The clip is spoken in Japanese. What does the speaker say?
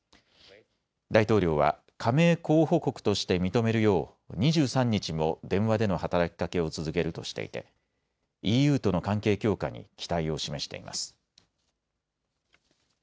大統領は加盟候補国として認めるよう２３日も電話での働きかけを続けるとしていてＥＵとの関係強化に期待を示しています。